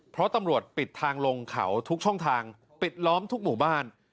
เพราะตำรวจปิดทางลงเขาทุกช่องทางปิดล้อมทุกหมู่บ้าน